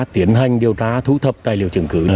tiến hành điều tra thu thập tài liệu chứng cứ